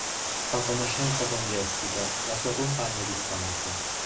Fa conoscenza con Jessica, la sua compagna di stanza.